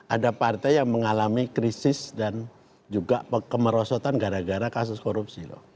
ada partai yang mengalami krisis dan juga kemerosotan gara gara kasus korupsi loh